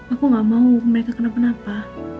aku gak mau mereka kenapa